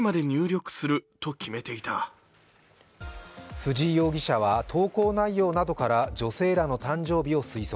藤井容疑者は投稿内容などから女性らの誕生日を推測。